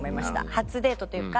初デートというか。